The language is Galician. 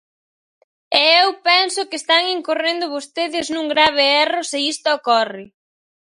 E eu penso que están incorrendo vostedes nun grave erro se isto ocorre.